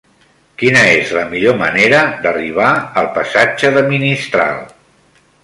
Quina és la millor manera d'arribar al passatge de Ministral?